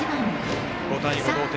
５対５、同点。